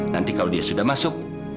nanti kalau dia sudah masuk